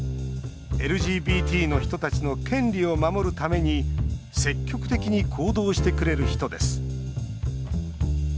ＬＧＢＴの人たちの権利を守るために積極的に行動してくれる人です。